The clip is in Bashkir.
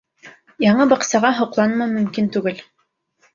Яңы баҡсаға һоҡланмау мөмкин түгел.